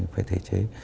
phải thể chế